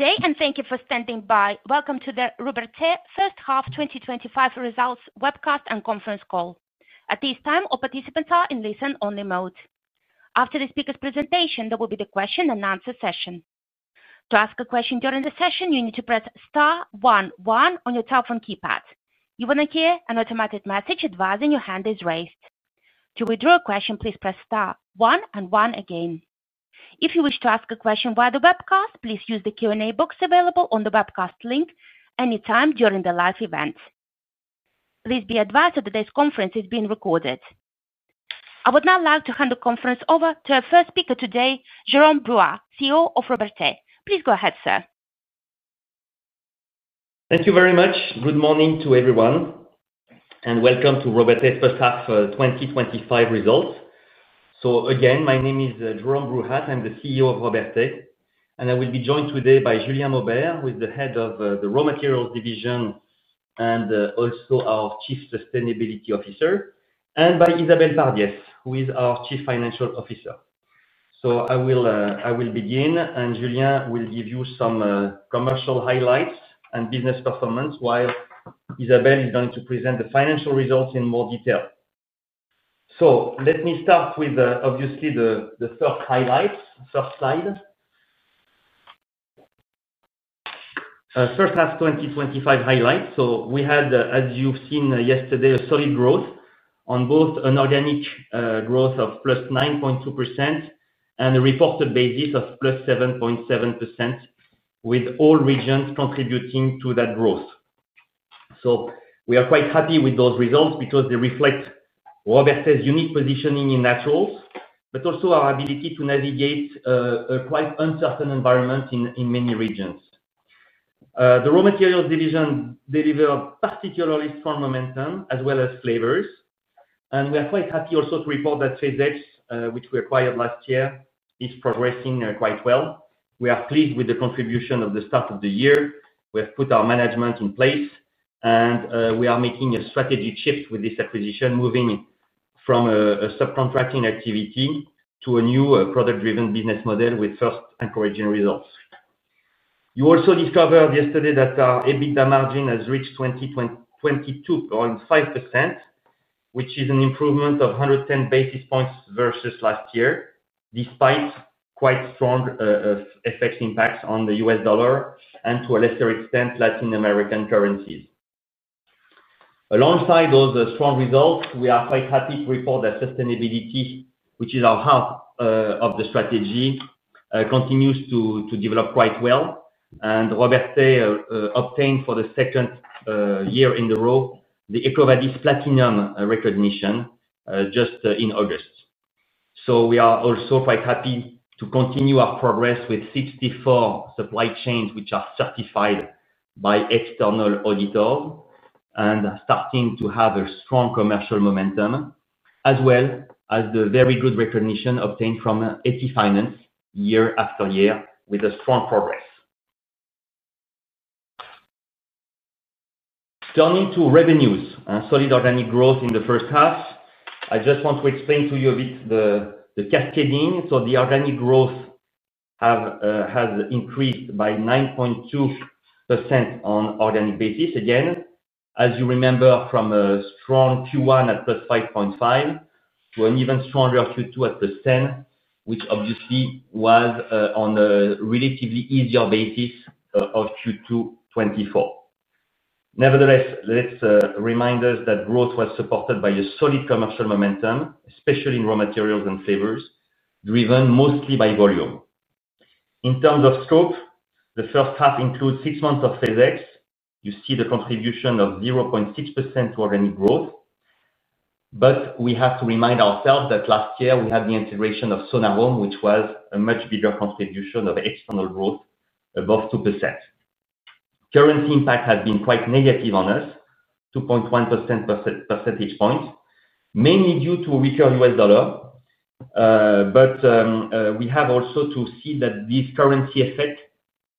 Today, and thank you for standing by, welcome to the Robertet First Half 2025 Results webcast and conference call. At this time, all participants are in listen-only mode. After the speaker's presentation, there will be the question and answer session. To ask a question during the session, you need to press *11 on your telephone keypad. You will now hear an automated message advising your hand is raised. To withdraw a question, please press *1 and 1 again. If you wish to ask a question via the webcast, please use the Q&A box available on the webcast link anytime during the live event. Please be advised that today's conference is being recorded. I would now like to hand the conference over to our first speaker today, Jérôme Bruhat, CEO of Robertet. Please go ahead, sir. Thank you very much. Good morning to everyone, and welcome to Robertet's First Half 2025 Results. My name is Jérôme Bruhat. I'm the CEO of Robertet, and I will be joined today by Julien Aubert, who is the Head of the Raw Materials Division and also our Chief Sustainability Officer, and by Isabelle Pardies, who is our Chief Financial Officer. I will begin, and Julien will give you some commercial highlights and business performance while Isabelle is going to present the financial results in more detail. Let me start with the first highlights, the first slide. First Half 2025 highlights. We had, as you've seen yesterday, a solid growth on both an organic growth of +9.2% and a reported basis of +7.7%, with all regions contributing to that growth. We are quite happy with those results because they reflect Robertet's unique positioning in naturals, but also our ability to navigate a quite uncertain environment in many regions. The Raw Materials Division delivered particularly strong momentum as well as flavors, and we are quite happy also to report that Chase Edge, which we acquired last year, is progressing quite well. We are pleased with the contribution of the staff of the year. We have put our management in place, and we are making a strategic shift with this acquisition, moving from a subcontracting activity to a new product-driven business model with first anchorage in results. You also discovered yesterday that our EBITDA margin has reached 22.5%, which is an improvement of 110 basis points versus last year, despite quite strong effects impacts on the U.S. dollar and, to a lesser extent, Latin American currencies. Alongside those strong results, we are quite happy to report that sustainability, which is our heart of the strategy, continues to develop quite well, and Robertet obtained for the second year in a row the EcoVadis Platinum recognition just in August. We are also quite happy to continue our progress with 64 supply chains which are certified by external auditors and are starting to have a strong commercial momentum, as well as the very good recognition obtained from EpiFinance year after year with a strong progress. Turning to revenues, solid organic growth in the first half, I just want to explain to you a bit the cascading. The organic growth has increased by 9.2% on organic basis. Again, as you remember from a strong Q1 at +5.5% to an even stronger Q2 at +10%, which obviously was on a relatively easier basis of Q2 2024. Nevertheless, let's remind us that growth was supported by a solid commercial momentum, especially in raw materials and flavors, driven mostly by volume. In terms of scope, the first half includes six months of Phase X. You see the contribution of 0.6% organic growth, but we have to remind ourselves that last year we had the integration of Sonarom, which was a much bigger contribution of external growth, above 2%. Currency impact has been quite negative on us, 2.1 percentage points, mainly due to a weaker U.S. dollar. We have also to see that these currency effects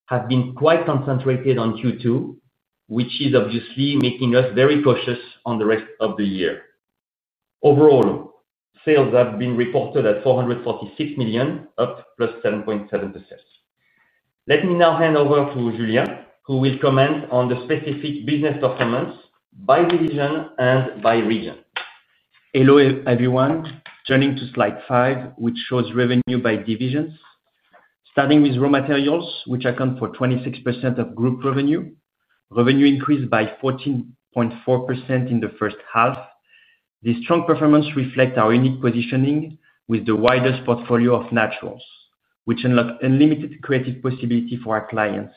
have been quite concentrated on Q2, which is obviously making us very cautious on the rest of the year. Overall, sales have been reported at €446 million, up to +7.7%. Let me now hand over to Julien, who will comment on the specific business performance by division and by region. Hello, everyone. Turning to slide five, which shows revenue by divisions. Starting with raw materials, which account for 26% of group revenue, revenue increased by 14.4% in the first half. The strong performance reflects our unique positioning with the widest portfolio of naturals, which unlocks unlimited creative possibility for our clients,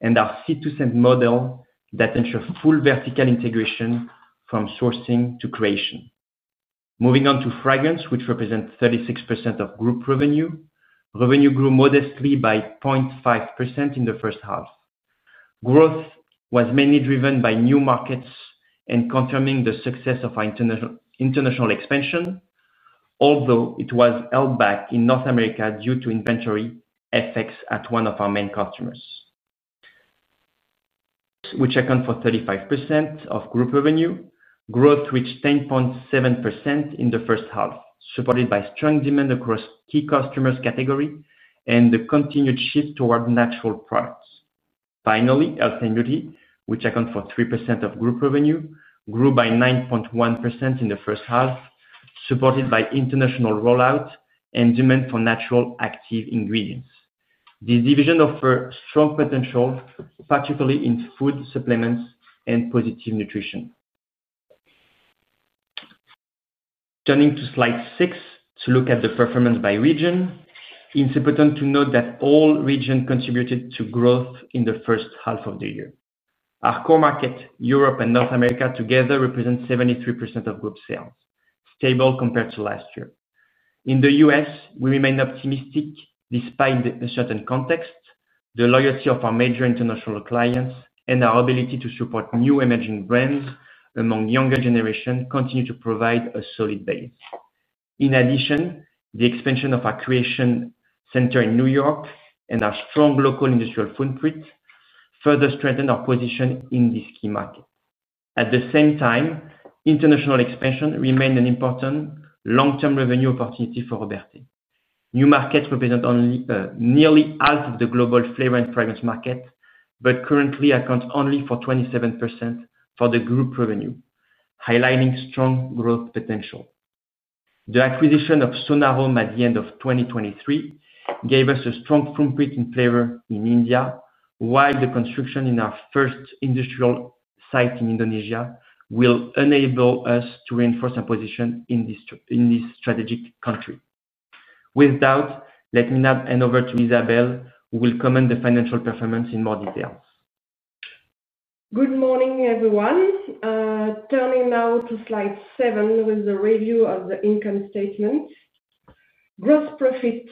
and our seed-to-send model that ensures full vertical integration from sourcing to creation. Moving on to fragrance, which represents 36% of group revenue, revenue grew modestly by 0.5% in the first half. Growth was mainly driven by new markets and confirming the success of our international expansion, although it was held back in North America due to inventory effects at one of our main customers. Flavors, which account for 35% of group revenue, growth reached 10.7% in the first half, supported by strong demand across key customers' categories and the continued shift toward natural products. Finally, assembly, which accounts for 3% of group revenue, grew by 9.1% in the first half, supported by international rollout and demand for natural active ingredients. This division offers strong potential, particularly in food supplements and positive nutrition. Turning to slide six to look at the performance by region, it's important to note that all regions contributed to growth in the first half of the year. Our core market, Europe and North America, together represent 73% of group sales, stable compared to last year. In the U.S., we remain optimistic despite the uncertain context. The loyalty of our major international clients and our ability to support new emerging brands among the younger generations continue to provide a solid base. In addition, the expansion of our creation center in New York and our strong local industrial footprint further strengthened our position in this key market. At the same time, international expansion remained an important long-term revenue opportunity for Robertet. New markets represent nearly half of the global flavor and fragrance market, but currently account only for 27% of the group revenue, highlighting strong growth potential. The acquisition of Sonarom at the end of 2023 gave us a strong footprint in flavor in India, while the construction of our first industrial site in Indonesia will enable us to reinforce our position in this strategic country. With that, let me now hand over to Isabelle, who will comment on the financial performance in more detail. Good morning, everyone. Turning now to slide seven with the review of the income statement. Gross profit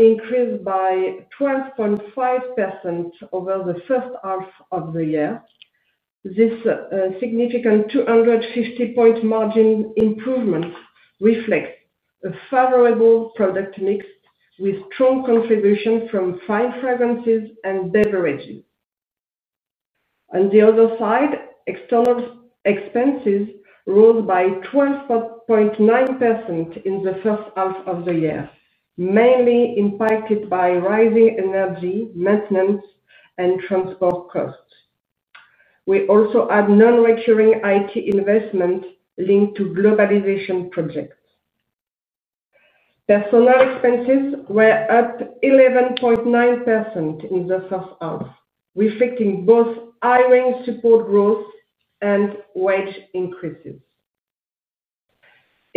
increased by 12.5% over the first half of the year. This significant 250 basis point margin improvement reflects a favorable product mix with strong contributions from flavors, fragrances, and beverages. On the other side, external expenses rose by 12.9% in the first half of the year, mainly impacted by rising energy, maintenance, and transport costs. We also add non-recurring IT investment linked to globalization projects. Personnel expenses were up 11.9% in the first half, reflecting both hiring to support growth and wage increases.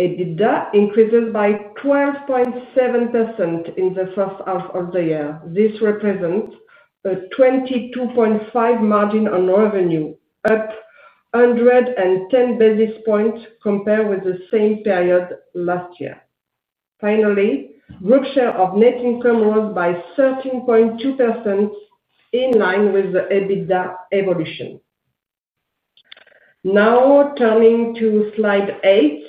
EBITDA increased by 12.7% in the first half of the year. This represents a 22.5% margin on revenue, up 110 basis points compared with the same period last year. Finally, group share of net income rose by 13.2% in line with the EBITDA evolution. Now turning to slide eight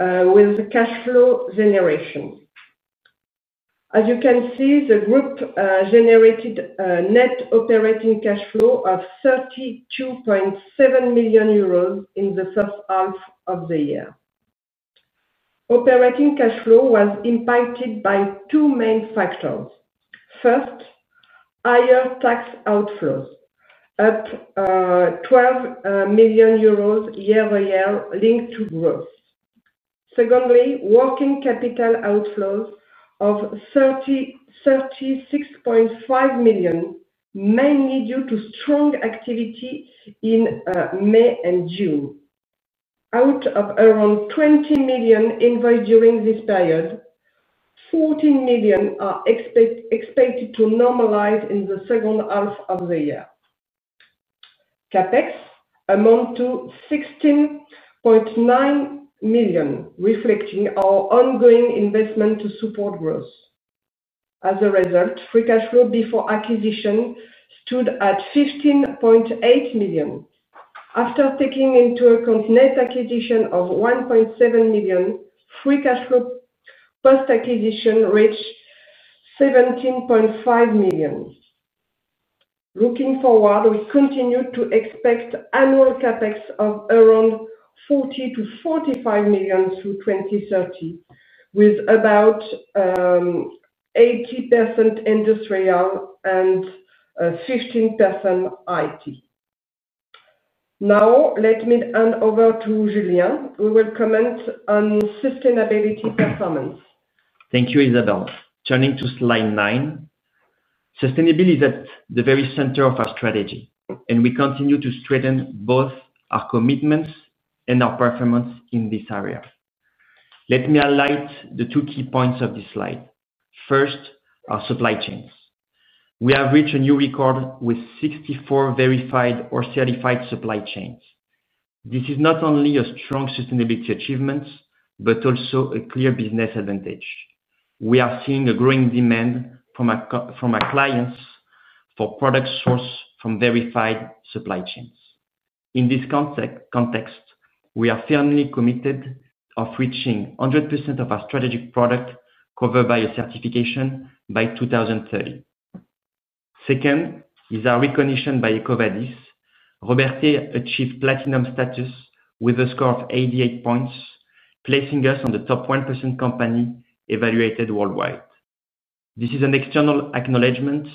with the cash flow generation. As you can see, the group generated a net operating cash flow of €32.7 million in the first half of the year. Operating cash flow was impacted by two main factors. First, higher tax outflow, up €12 million year over year linked to growth. Secondly, working capital outflows of €36.5 million, mainly due to strong activity in May and June. Out of around €20 million invoiced during this period, €14 million are expected to normalize in the second half of the year. CapEx amounted to €16.9 million, reflecting our ongoing investment to support growth. As a result, free cash flow before acquisition stood at €15.8 million. After taking into account net acquisition of €1.7 million, free cash flow post-acquisition reached €17.5 million. Looking forward, we continue to expect annual CapEx of around €40 to €45 million through 2030, with about 80% industrial and 15% IT. Now, let me hand over to Julien, who will comment on sustainability performance. Thank you, Isabelle. Turning to slide nine, sustainability is at the very center of our strategy, and we continue to strengthen both our commitments and our performance in this area. Let me highlight the two key points of this slide. First, our supply chains. We have reached a new record with 64 verified or certified supply chains. This is not only a strong sustainability achievement, but also a clear business advantage. We are seeing a growing demand from our clients for products sourced from verified supply chains. In this context, we are firmly committed to reaching 100% of our strategic product covered by a certification by 2030. Second is our recognition by EcoVadis. Robertet achieved Platinum status with a score of 88 points, placing us in the top 1% of companies evaluated worldwide. This is an external acknowledgment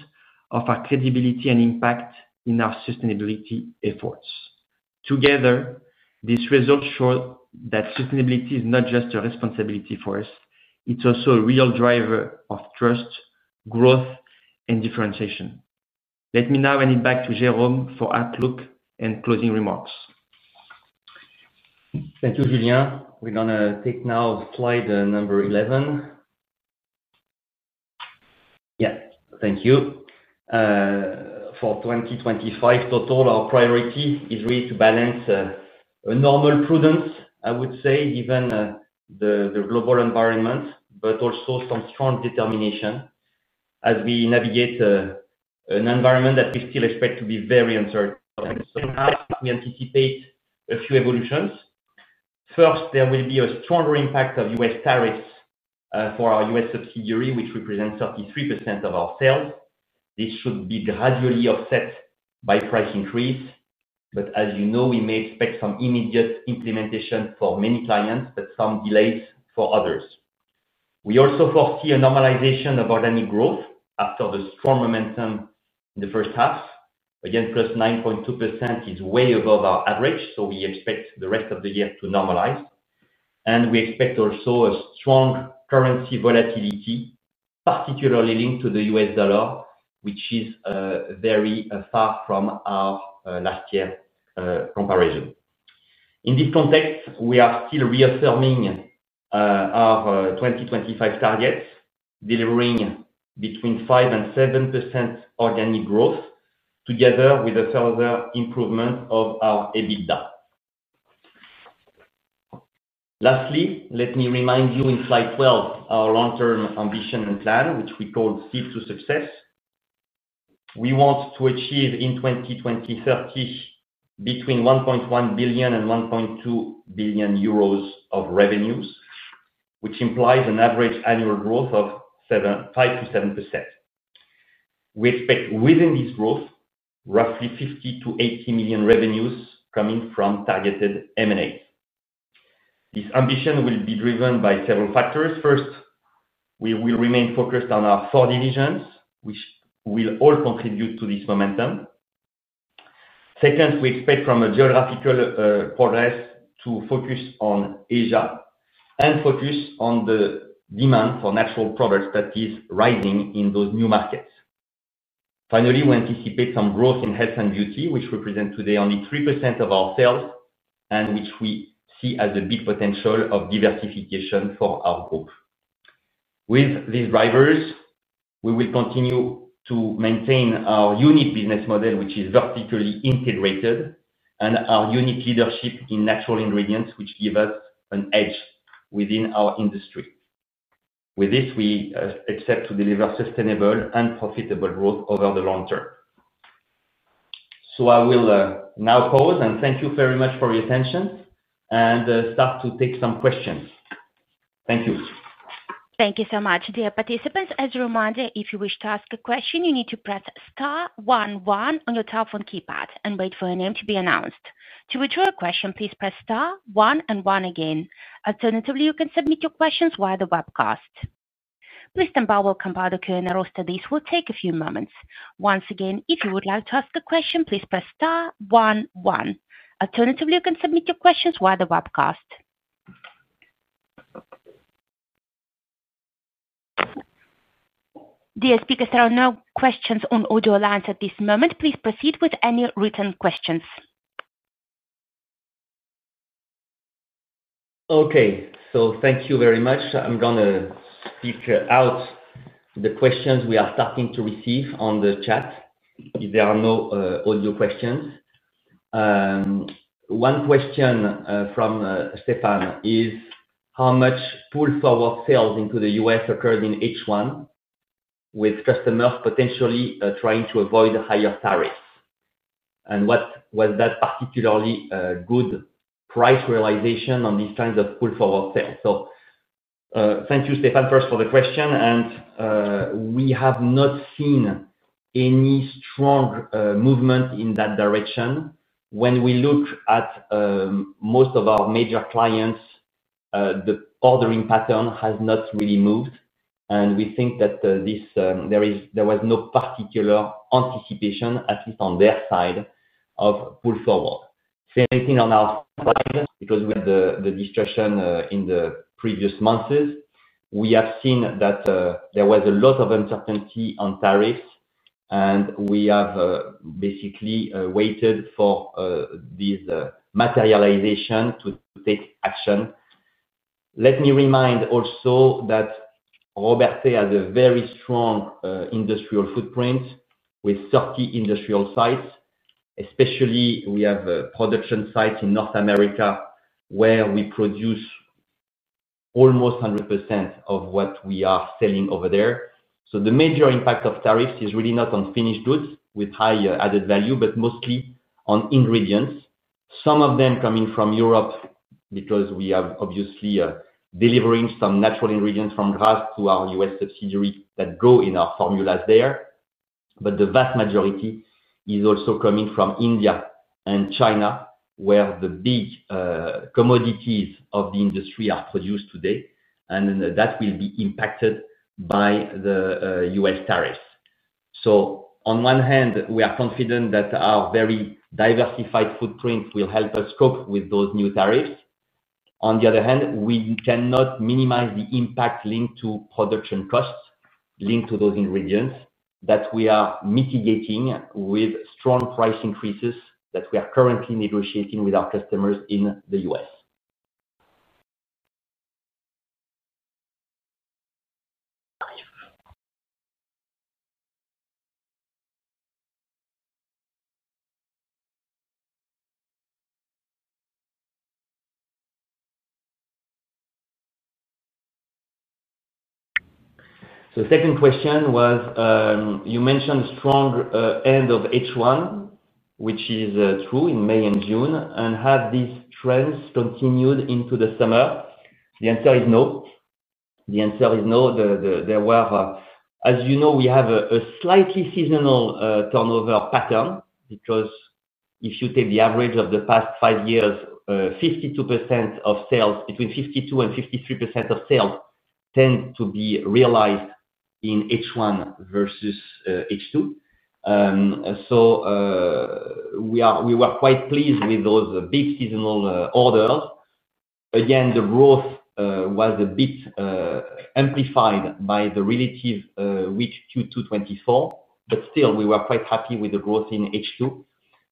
of our credibility and impact in our sustainability efforts. Together, these results show that sustainability is not just a responsibility for us; it's also a real driver of trust, growth, and differentiation. Let me now hand it back to Jérôme for outlook and closing remarks. Thank you, Julien. We're going to take now slide number 11. Yeah, thank you. For 2025 total, our priority is really to balance a normal prudence, I would say, given the global environment, but also some strong determination as we navigate an environment that we still expect to be very uncertain. Perhaps we anticipate a few evolutions. First, there will be a stronger impact of U.S. tariffs for our U.S. subsidiary, which represents 33% of our sales. This should be gradually offset by price increase. As you know, we may expect some immediate implementation for many clients, but some delays for others. We also foresee a normalization of organic growth after the strong momentum in the first half. Again, +9.2% is way above our average, so we expect the rest of the year to normalize. We expect also a strong currency volatility, particularly linked to the U.S. dollar, which is very far from our last year's comparison. In this context, we are still reaffirming our 2025 targets, delivering between 5% and 7% organic growth, together with a further improvement of our EBITDA. Lastly, let me remind you in slide 12 our long-term ambition and plan, which we call "Save to Success." We want to achieve in 2030 between €1.1 billion and €1.2 billion of revenues, which implies an average annual growth of 5% to 7%. We expect within this growth, roughly €50 million to €80 million revenues coming from targeted M&A. This ambition will be driven by several factors. First, we will remain focused on our four divisions, which will all contribute to this momentum. Second, we expect from a geographical progress to focus on Asia and focus on the demand for natural products that is rising in those new markets. Finally, we anticipate some growth in health and beauty, which represents today only 3% of our sales and which we see as the big potential of diversification for our growth. With these drivers, we will continue to maintain our unique business model, which is vertically integrated, and our unique leadership in natural ingredients, which gives us an edge within our industry. With this, we expect to deliver sustainable and profitable growth over the long term. I will now close and thank you very much for your attention and start to take some questions. Thank you. Thank you so much, dear participants. As a reminder, if you wish to ask a question, you need to press *11 on your telephone keypad and wait for your name to be announced. To withdraw a question, please press *1 and 1 again. Alternatively, you can submit your questions via the webcast. Mr. Mbao will compile the Q&A roster. This will take a few moments. Once again, if you would like to ask a question, please press *11. Alternatively, you can submit your questions via the webcast. Dear speakers, there are no questions on audio lines at this moment. Please proceed with any written questions. Okay, thank you very much. I'm going to filter out the questions we are starting to receive on the chat if there are no audio questions. One question from Stefan is, how much pull-forward sales into the U.S. occurred in H1 with customers potentially trying to avoid higher tariffs? And was that particularly a good price realization on these kinds of pull-forward sales? Thank you, Stefan, first for the question. We have not seen any strong movement in that direction. When we look at most of our major clients, the ordering pattern has not really moved. We think that there was no particular anticipation, at least on their side, of pull-forward. Same thing on our part because with the discussion in the previous months, we have seen that there was a lot of uncertainty on tariffs, and we have basically waited for this materialization to take action. Let me remind also that Robertet has a very strong industrial footprint with 30 industrial sites. Especially, we have production sites in North America where we produce almost 100% of what we are selling over there. The major impact of tariffs is really not on finished goods with high added value, but mostly on ingredients, some of them coming from Europe because we are obviously delivering some natural ingredients from Grasse to our U.S. subsidiary that go in our formulas there. The vast majority is also coming from India and China, where the big commodities of the industry are produced today, and that will be impacted by the U.S. tariffs. On one hand, we are confident that our very diversified footprint will help us cope with those new tariffs. On the other hand, we cannot minimize the impact linked to production costs linked to those ingredients that we are mitigating with strong price increases that we are currently negotiating with our customers in the U.S. The second question was, you mentioned a strong end of H1, which is true in May and June, and have these trends continued into the summer? The answer is no. There were, as you know, we have a slightly seasonal turnover pattern because if you take the average of the past five years, 52% of sales, between 52% and 53% of sales tend to be realized in H1 versus H2. We were quite pleased with those big seasonal orders. The growth was a bit amplified by the relative weak Q2 2024, but still, we were quite happy with the growth in H2.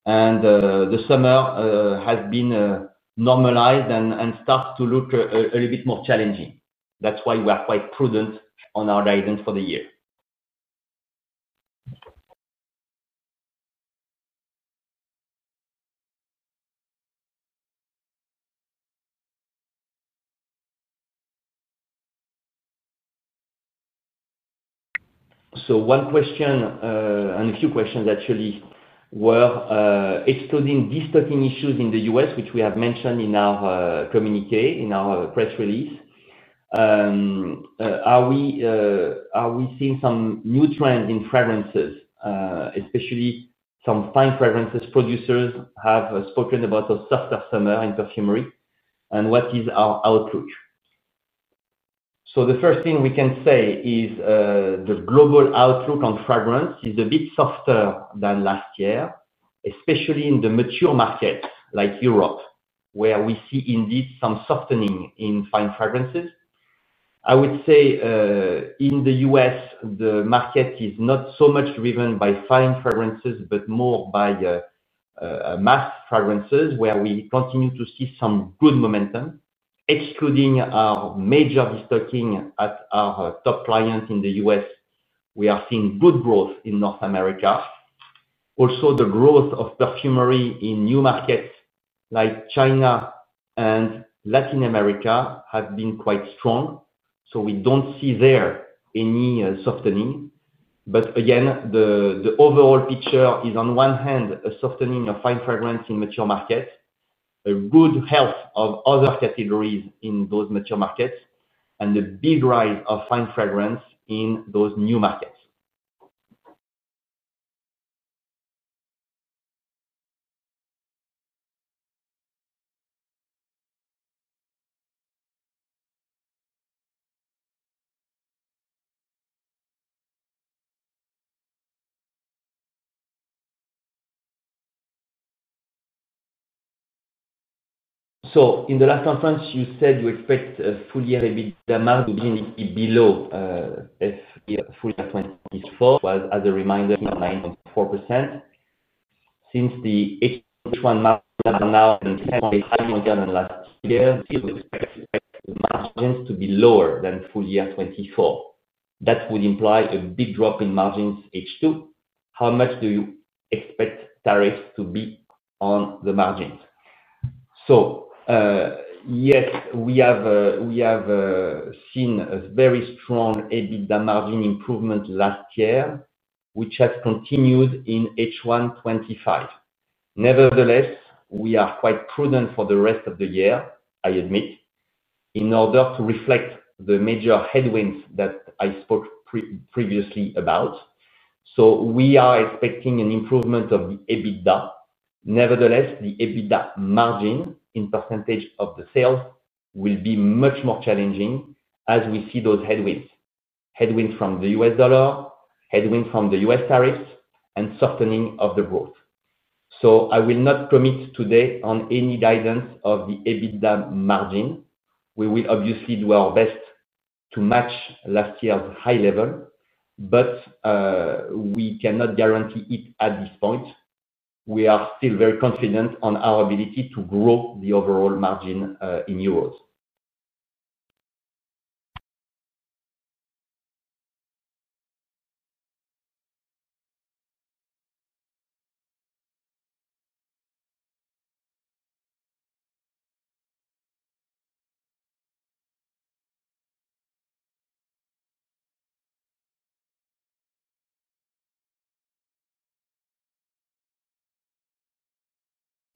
The summer has been normalized and starts to look a little bit more challenging. That's why we are quite prudent on our guidance for the year. One question, and a few questions actually, were exploring destocking issues in the U.S., which we have mentioned in our communiqué, in our press release. Are we seeing some new trends in fragrances, especially some fine fragrances? Producers have spoken about a softer summer in perfumery. What is our outlook? The first thing we can say is the global outlook on fragrance is a bit softer than last year, especially in the mature markets like Europe, where we see indeed some softening in fine fragrances. I would say in the U.S., the market is not so much driven by fine fragrances, but more by mass fragrances, where we continue to see some good momentum. Excluding our major restocking at our top client in the U.S., we are seeing good growth in North America. Also, the growth of perfumery in new markets like China and Latin America has been quite strong, so we don't see there any softening. Again, the overall picture is, on one hand, a softening of fine fragrance in mature markets, a good health of other categories in those mature markets, and a big rise of fine fragrance in those new markets. In the last conference, you said you expect a full-year EBITDA margin to be below full-year 2024, but as a reminder, we are 9.4%. Since the H1 margins are now 7.5 million than last year, you expect the margins to be lower than full-year 2024. That would imply a big drop in margins in H2. How much do you expect tariffs to be on the margins? Yes, we have seen a very strong EBITDA margin improvement last year, which has continued in H1 2025. Nevertheless, we are quite prudent for the rest of the year, I admit, in order to reflect the major headwinds that I spoke previously about. We are expecting an improvement of the EBITDA. Nevertheless, the EBITDA margin in % of the sales will be much more challenging as we see those headwinds. Headwinds from the U.S. dollar, headwinds from the U.S. tariffs, and softening of the growth. I will not comment today on any guidance of the EBITDA margin. We will obviously do our best to match last year's high level, but we cannot guarantee it at this point. We are still very confident in our ability to grow the overall margin in euros.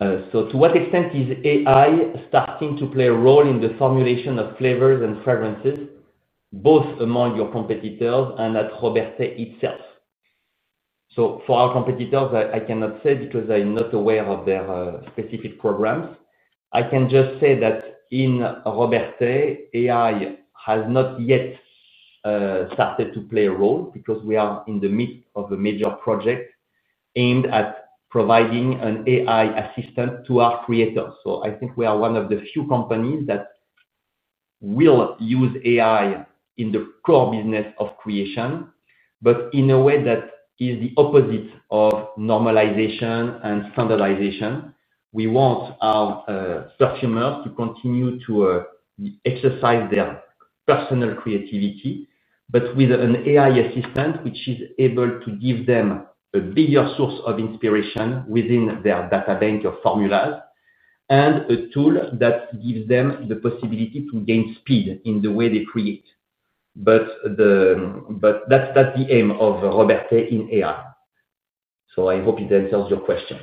To what extent is AI starting to play a role in the formulation of flavors and fragrances, both among your competitors and at Robertet itself? For our competitors, I cannot say because I'm not aware of their specific programs. I can just say that in Robertet, AI has not yet started to play a role because we are in the midst of a major project aimed at providing an AI assistant to our creators. I think we are one of the few companies that will use AI in the core business of creation, but in a way that is the opposite of normalization and standardization. We want our perfumers to continue to exercise their personal creativity, but with an AI assistant which is able to give them a bigger source of inspiration within their databank of formulas and a tool that gives them the possibility to gain speed in the way they create. That is not the aim of Robertet in AI. I hope it answers your question.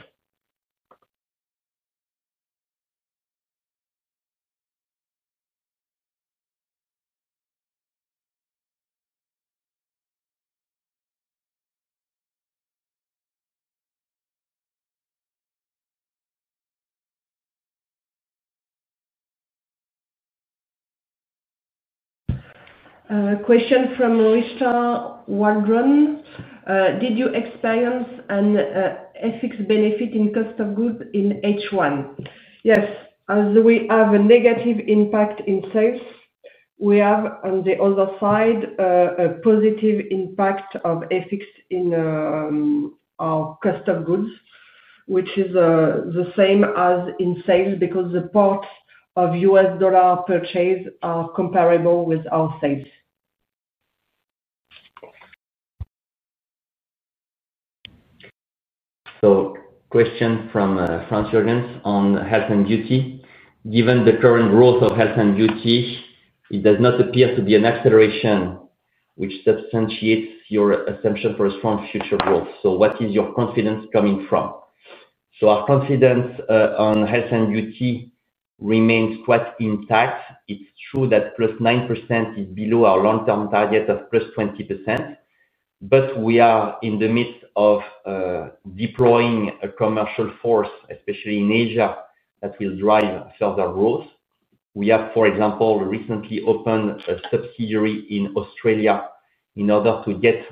A question from Royster Waldron. Did you experience an ethics benefit in cost of goods in H1? Yes. As we have a negative impact in sales, we have, on the other side, a positive impact of ethics in our cost of goods, which is the same as in sales because the part of U.S. dollar purchase is comparable with our sales. A question from Franz Jürgens on health and beauty. Given the current growth of health and beauty, it does not appear to be an acceleration which substantiates your assumption for a strong future growth. What is your confidence coming from? Our confidence on health and beauty remains quite intact. It's true that +9% is below our long-term target of +20%, but we are in the midst of deploying a commercial force, especially in Asia, that will drive further growth. For example, we have recently opened a subsidiary in Australia in order to get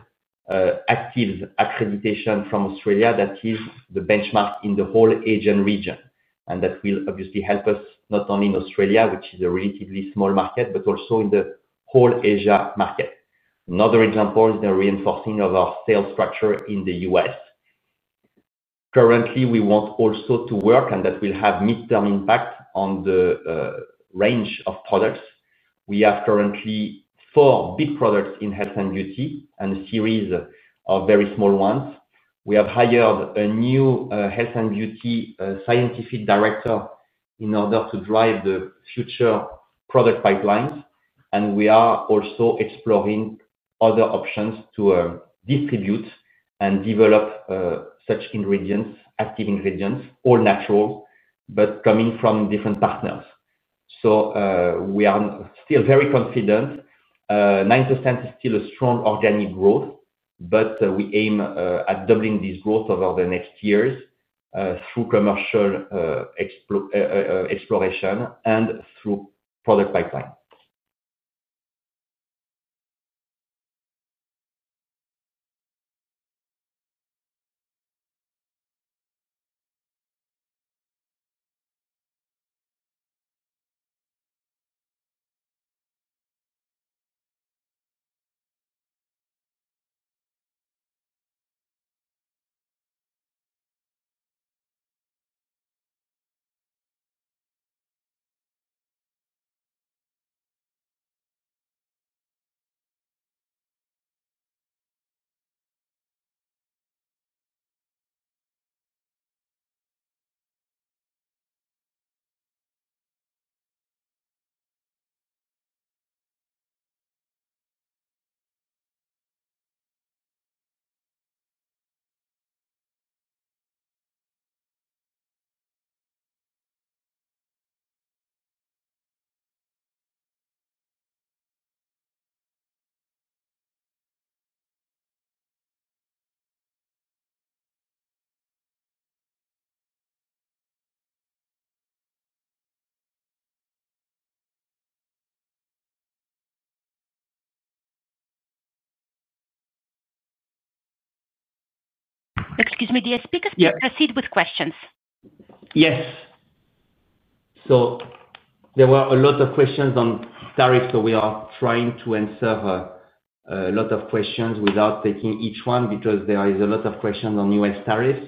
active accreditation from Australia. That is the benchmark in the whole Asian region. That will obviously help us not only in Australia, which is a relatively small market, but also in the whole Asia market. Another example is the reinforcing of our sales structure in the U.S. Currently, we want also to work, and that will have mid-term impacts on the range of products. We have currently four big products in health and beauty and a series of very small ones. We have hired a new Health and Beauty Scientific Director in order to drive the future product pipelines. We are also exploring other options to distribute and develop such ingredients, active ingredients, all natural, but coming from different partners. We are still very confident. 9% is still a strong organic growth, but we aim at doubling this growth over the next years through commercial exploration and through product pipelines. Excuse me, dear speakers, we proceed with questions. Yes. There were a lot of questions on tariffs, so we are trying to answer a lot of questions without taking each one because there are a lot of questions on U.S. tariffs.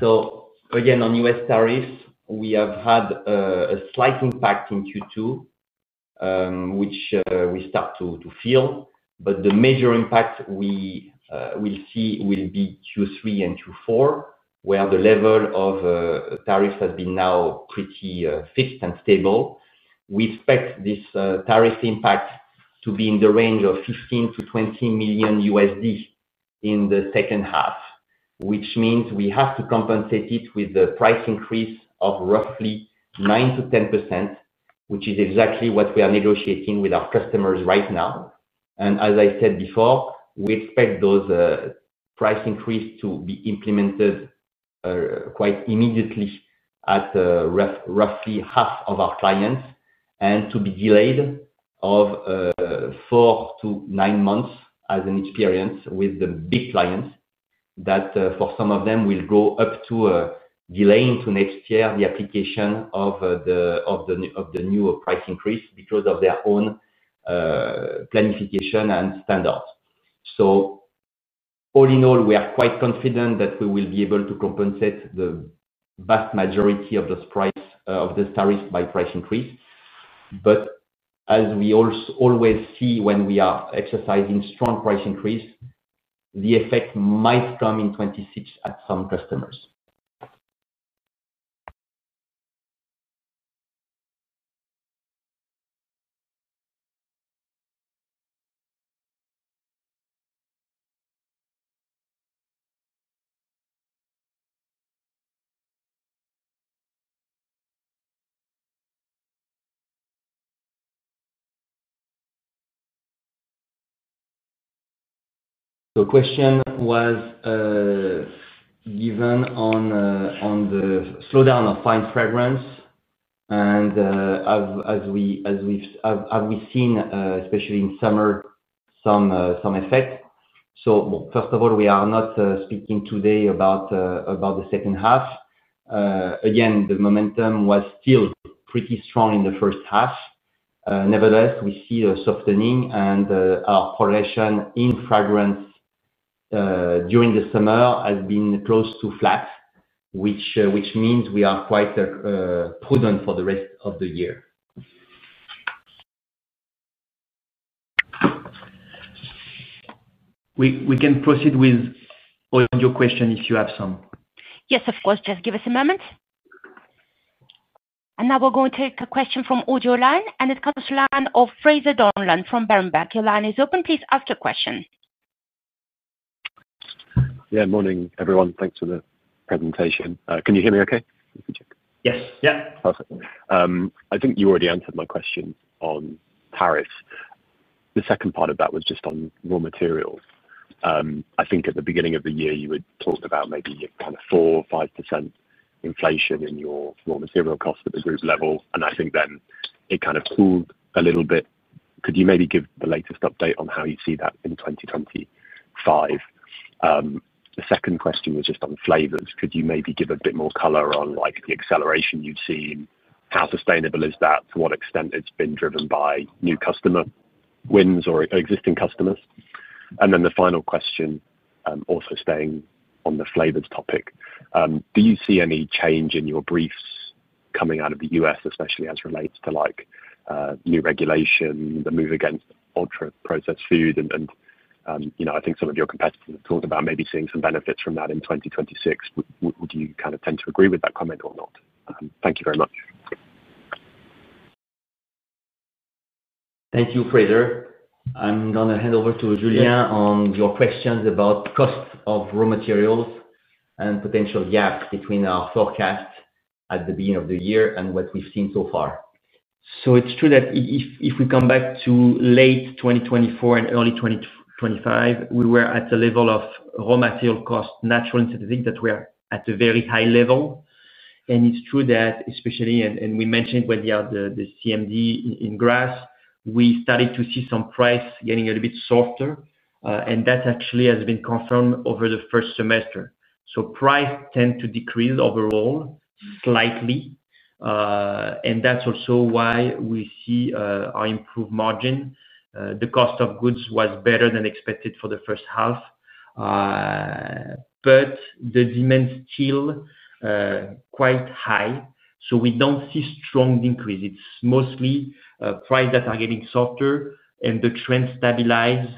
Again, on U.S. tariffs, we have had a slight impact in Q2, which we start to feel. The major impacts we will see will be Q3 and Q4, where the level of tariffs has been now pretty fixed and stable. We expect this tariff impact to be in the range of $15 to $20 million in the second half, which means we have to compensate it with a price increase of roughly 9 to 10%, which is exactly what we are negotiating with our customers right now. As I said before, we expect those price increases to be implemented quite immediately at roughly half of our clients and to be delayed four to nine months as an experience with the big clients that for some of them will go up to delaying to next year the application of the new price increase because of their own planification and standards. All in all, we are quite confident that we will be able to compensate the vast majority of those tariffs by price increase. As we always see when we are exercising strong price increases, the effect might come in 2026 at some customers. The question was given on the slowdown of fine fragrance and as we have seen, especially in summer, some effect. First of all, we are not speaking today about the second half. Again, the momentum was still pretty strong in the first half. Nevertheless, we see a softening and our operation in fragrance during the summer has been close to flat, which means we are quite prudent for the rest of the year. We can proceed with audio questions if you have some. Yes, of course. Just give us a moment. We are going to take a question from the audio line, and it comes to the line of Fraser Donlen from Berenberg. Your line is open. Please ask your question. Good morning, everyone. Thanks for the presentation. Can you hear me okay? Yes. Yeah. I think you already answered my question on tariffs. The second part of that was just on raw material. I think at the beginning of the year, you had talked about maybe kind of 4% or 5% inflation in your raw material cost at the group level. I think then it kind of cooled a little bit. Could you maybe give the latest update on how you see that in 2025? The second question was just on flavors. Could you maybe give a bit more color on like the acceleration you've seen? How sustainable is that? To what extent has it been driven by new customer wins or existing customers? The final question, also staying on the flavors topic, do you see any change in your briefs coming out of the U.S., especially as it relates to like new regulation, the move against ultra-processed food? You know I think some of your competitors have talked about maybe seeing some benefits from that in 2026. Would you kind of tend to agree with that comment or not? Thank you very much. Thank you, Fraser. I'm going to hand over to Julien on your questions about the cost of raw materials and potential gap between our forecasts at the beginning of the year and what we've seen so far. It's true that if we come back to late 2024 and early 2025, we were at a level of raw material cost, natural and synthetic, that we are at a very high level. It's true that, especially, and we mentioned where we are the CMD in Grasse, we started to see some price getting a little bit softer, and that actually has been confirmed over the first semester. Price tends to decrease overall slightly, and that's also why we see our improved margin. The cost of goods was better than expected for the first half, but the demand is still quite high, so we don't see a strong increase. It's mostly prices that are getting softer, and the trend stabilizes,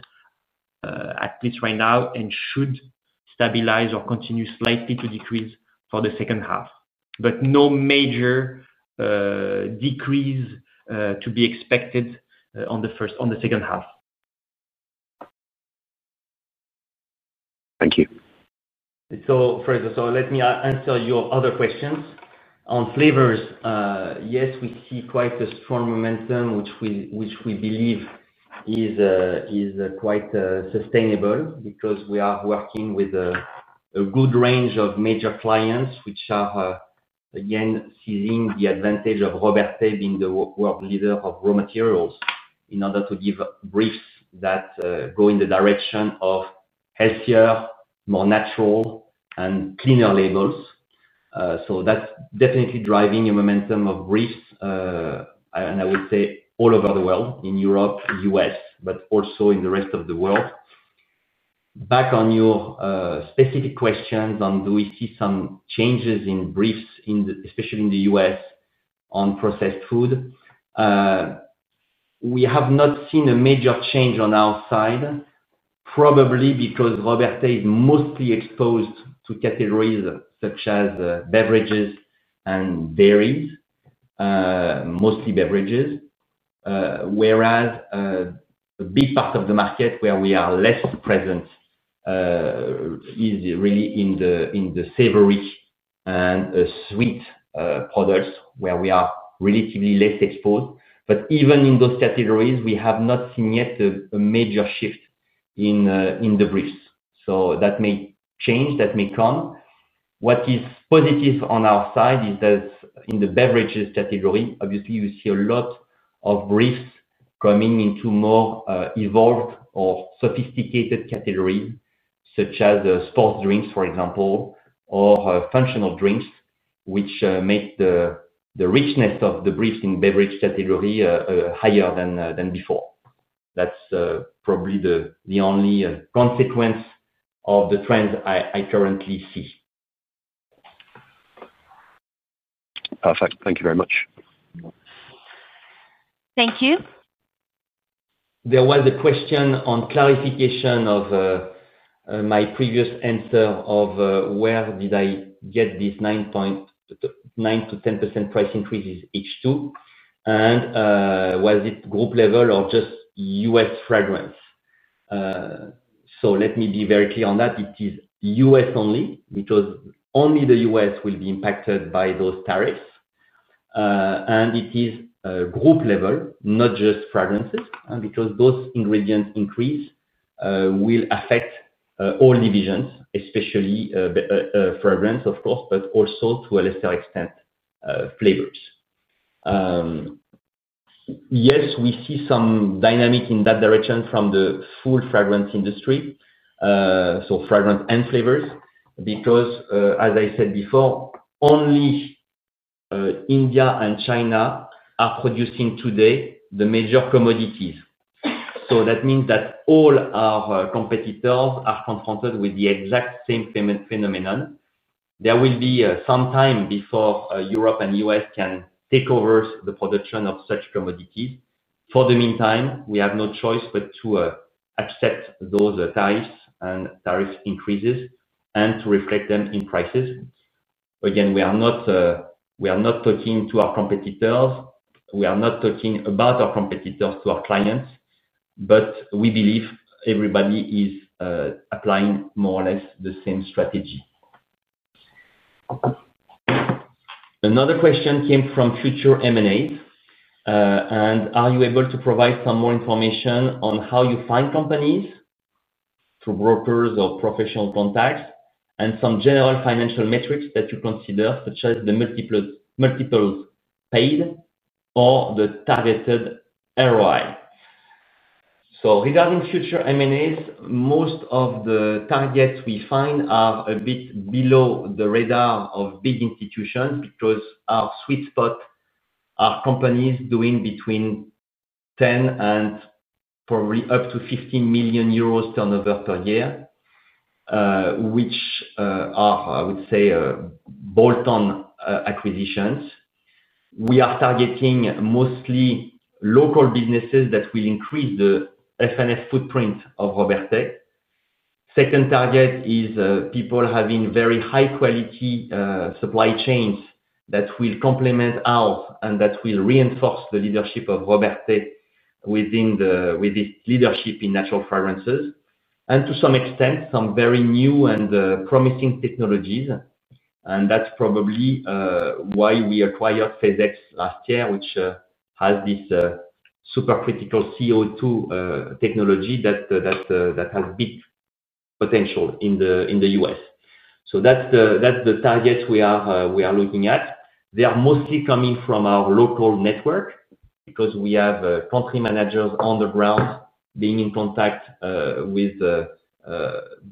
at least right now, and should stabilize or continue slightly to decrease for the second half. No major decrease to be expected on the second half. Thank you. Fraser, let me answer your other questions. On flavors, yes, we see quite a strong momentum, which we believe is quite sustainable because we are working with a good range of major clients, which are, again, seizing the advantage of Robertet being the world leader of raw materials in order to give briefs that go in the direction of healthier, more natural, and cleaner labels. That is definitely driving a momentum of briefs, and I would say all over the world, in Europe, U.S., but also in the rest of the world. Back on your specific questions, do we see some changes in briefs, especially in the U.S. on processed food? We have not seen a major change on our side, probably because Robertet is mostly exposed to categories such as beverages and berries, mostly beverages, whereas a big part of the market where we are less present is really in the savory and sweet products where we are relatively less exposed. Even in those categories, we have not seen yet a major shift in the briefs. That may change, that may come. What is positive on our side is that in the beverages category, obviously, you see a lot of briefs coming into more evolved or sophisticated categories such as the sports drinks, for example, or functional drinks, which make the richness of the briefs in the beverage category higher than before. That is probably the only consequence of the trends I currently see. Perfect. Thank you very much. Thank you. There was a question on clarification of my previous answer of where did I get this 9 to 10% price increase in H2? Was it group level or just U.S. fragrance? Let me be very clear on that. It is U.S. only because only the U.S. will be impacted by those tariffs. It is group level, not just fragrances, because those ingredients increase will affect all divisions, especially fragrance, of course, but also to a lesser extent flavors. Yes, we see some dynamic in that direction from the full fragrance industry, so fragrance and flavors, because as I said before, only India and China are producing today the major commodities. That means that all our competitors are confronted with the exact same phenomenon. There will be some time before Europe and the U.S. can take over the production of such commodities. In the meantime, we have no choice but to accept those tariffs and tariff increases and to reflect them in prices. Again, we are not talking to our competitors. We are not talking about our competitors to our clients, but we believe everybody is applying more or less the same strategy. Another question came from Future M&A. Are you able to provide some more information on how you find companies through brokers or professional contacts and some general financial metrics that you consider, such as the multiple paid or the targeted ROI? Regarding future M&As, most of the targets we find are a bit below the radar of big institutions because our sweet spot are companies doing between €10 million and probably up to €15 million turnover per year, which are, I would say, bolt-on acquisitions. We are targeting mostly local businesses that will increase the F&F footprint of Robertet. Second target is people having very high-quality supply chains that will complement ours and that will reinforce the leadership of Robertet with its leadership in natural fragrances and to some extent, some very new and promising technologies. That is probably why we acquired Fazet last year, which has this supercritical CO2 technology that has big potential in the U.S. That is the targets we are looking at. They are mostly coming from our local network because we have country managers on the ground being in contact with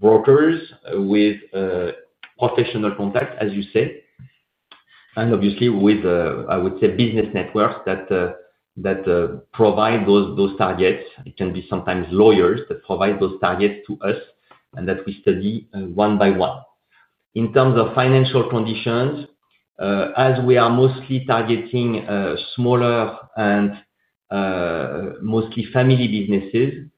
brokers, with professional contacts, as you said, and obviously with, I would say, business networks that provide those targets. It can be sometimes lawyers that provide those targets to us and that we study one by one. In terms of financial conditions, as we are mostly targeting smaller and mostly family businesses,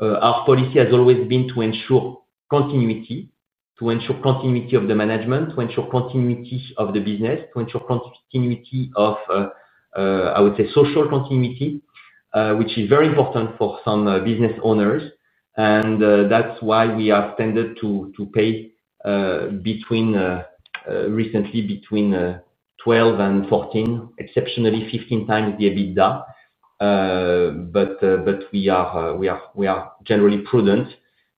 our policy has always been to ensure continuity, to ensure continuity of the management, to ensure continuity of the business, to ensure continuity of, I would say, social continuity, which is very important for some business owners. That is why we have tended to pay recently between 12 and 14, exceptionally 15 times the EBITDA. We are generally prudent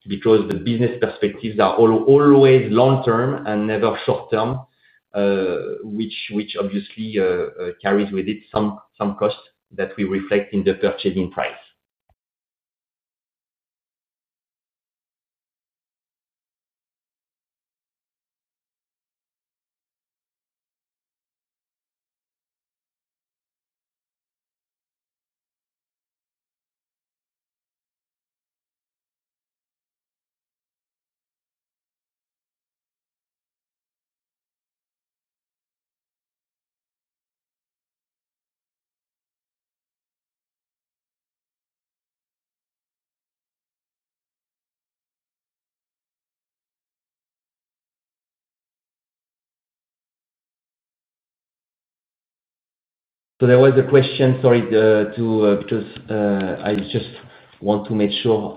because the business perspectives are always long-term and never short-term, which obviously carries with it some costs that we reflect in the purchasing price. There was a question, sorry, because I just want to make sure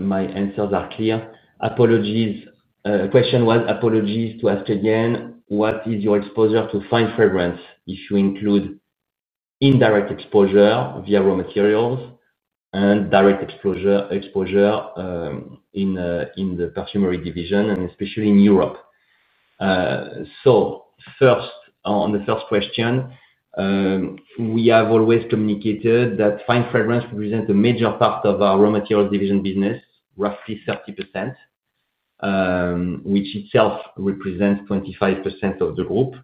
my answers are clear. The question was, apologies to ask again, what is your exposure to fine fragrance if you include indirect exposure via raw materials and direct exposure in the perfumery division, and especially in Europe? First, on the first question, we have always communicated that fine fragrance represents a major part of our raw materials division business, roughly 30%, which itself represents 25% of the group.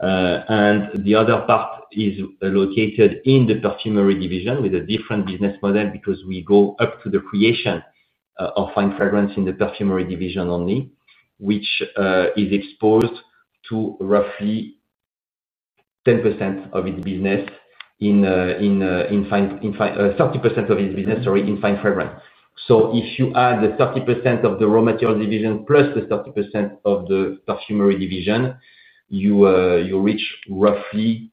The other part is located in the perfumery division with a different business model because we go up to the creation of fine fragrance in the perfumery division only, which is exposed to roughly 10% of its business in 30% of its business, sorry, in fine fragrance. If you add the 30% of the raw materials division plus the 30% of the perfumery division, you reach roughly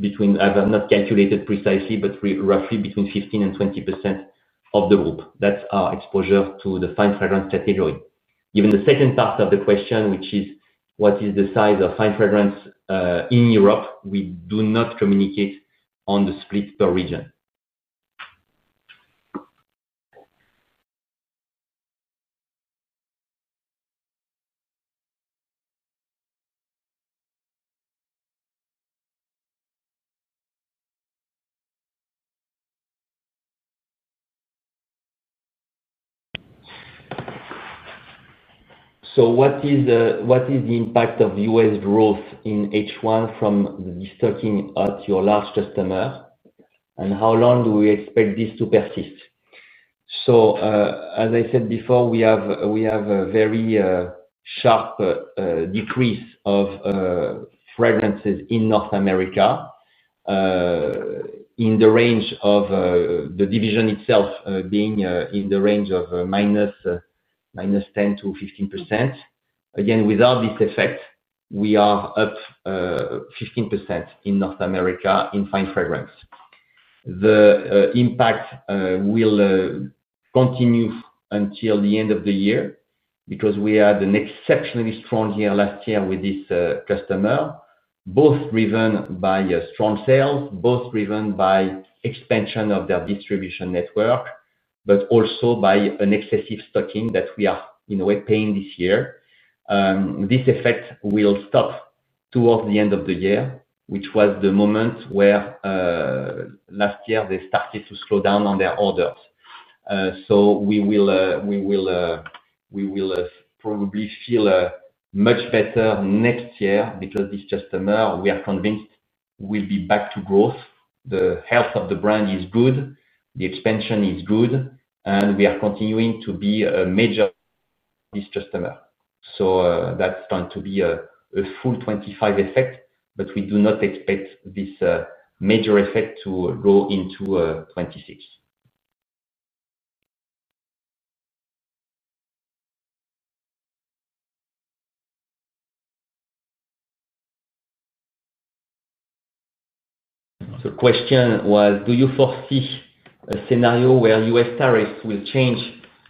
between, I have not calculated precisely, but roughly between 15% and 20% of the group. That's our exposure to the fine fragrance category. Even the second part of the question, which is what is the size of fine fragrance in Europe, we do not communicate on the split per region. What is the impact of U.S. growth in H1 from the restocking at your last customer? How long do we expect this to persist? As I said before, we have a very sharp decrease of fragrances in North America in the range of the division itself being in the range of minus 10% to 15%. Again, without this effect, we are up 15% in North America in fine fragrance. The impact will continue until the end of the year because we had an exceptionally strong year last year with this customer, both driven by strong sales, both driven by expansion of their distribution network, but also by an excessive stocking that we are in a way paying this year. This effect will stop towards the end of the year, which was the moment where last year they started to slow down on their orders. We will probably feel much better next year because this customer, we are convinced, will be back to growth. The health of the brand is good. The expansion is good. We are continuing to be a major for this customer. That is going to be a full 2025 effect, but we do not expect this major effect to go into 2026. The question was, do you foresee a scenario where U.S. tariffs will change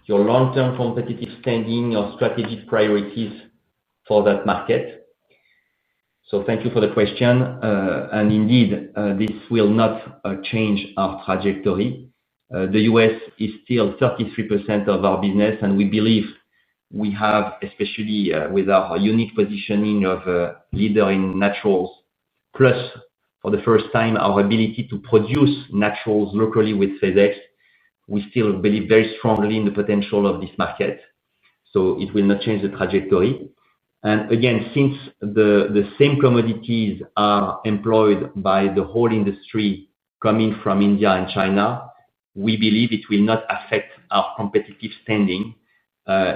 your long-term competitive standing or strategic priorities for that market? Thank you for the question. Indeed, this will not change our trajectory. The U.S. is still 33% of our business, and we believe we have, especially with our unique positioning of a leader in naturals, plus for the first time our ability to produce naturals locally with Fazets, we still believe very strongly in the potential of this market. It will not change the trajectory. Again, since the same commodities are employed by the whole industry coming from India and China, we believe it will not affect our competitive standing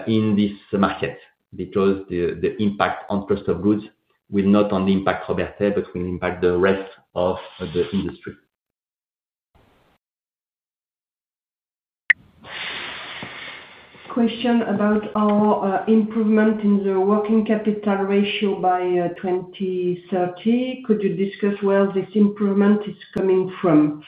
in this market because the impact on cost of goods will not only impact Robertet, but will impact the rest of the industry. Question about our improvement in the working capital ratio by 2030. Could you discuss where this improvement is coming from?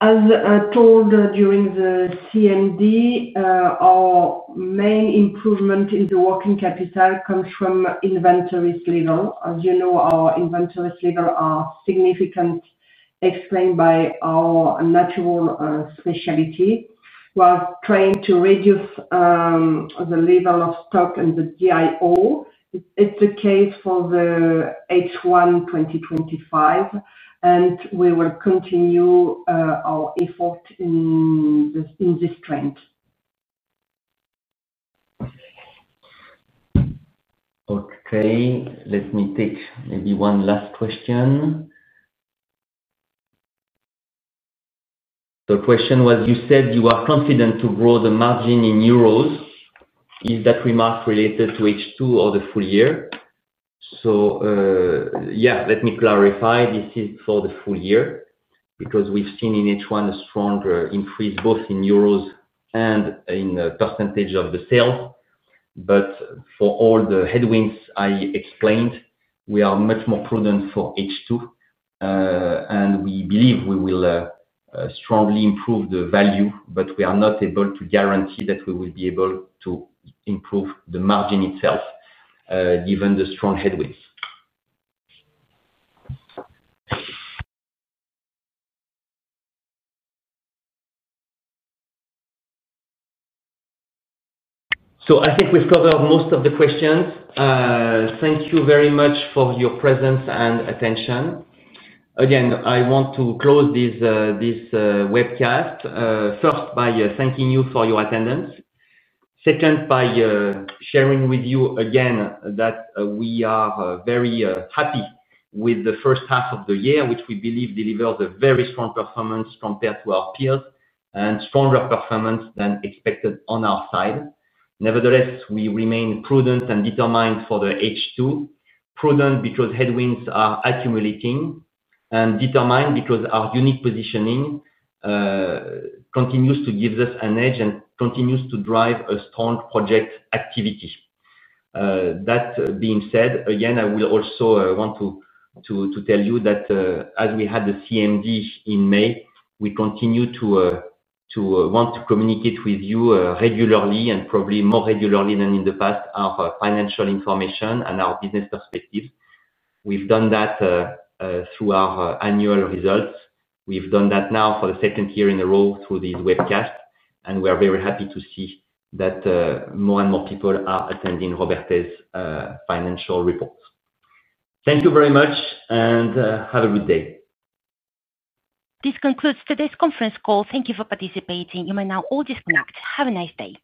As told during the CMD, our main improvement in the working capital comes from inventories level. As you know, our inventories levels are significant, explained by our natural specialty. We're trying to reduce the level of stock and the DIO. It's the case for the H1 2025, and we will continue our effort in this trend. For the training, let me take maybe one last question. The question was, you said you are confident to grow the margin in euros. Is that remark related to H2 or the full year? Let me clarify. This is for the full year because we've seen in H1 a strong increase both in euros and in the % of the sales. For all the headwinds I explained, we are much more prudent for H2. We believe we will strongly improve the value, but we are not able to guarantee that we will be able to improve the margin itself given the strong headwind. I think we've covered most of the questions. Thank you very much for your presence and attention. Again, I want to close this webcast first by thanking you for your attendance, second by sharing with you again that we are very happy with the first half of the year, which we believe delivers a very strong performance compared to our peers and stronger performance than expected on our side. Nevertheless, we remain prudent and determined for the H2. Prudent because headwinds are accumulating and determined because our unique positioning continues to give us an edge and continues to drive a strong project activity. That being said, again, I will also want to tell you that as we had the CMD in May, we continue to want to communicate with you regularly and probably more regularly than in the past our financial information and our business perspectives. We've done that through our annual results. We've done that now for the second year in a row through the webcast. We're very happy to see that more and more people are attending Robertet's financial reports. Thank you very much and have a good day. This concludes today's conference call. Thank you for participating. You may now all disconnect. Have a nice day.